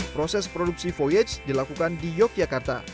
proses produksi voyage dilakukan di yogyakarta